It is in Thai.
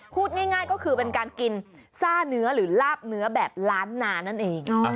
พูดง่ายก็คือเป็นการกินซ่าเนื้อหรือลาบเนื้อแบบล้านนานั่นเอง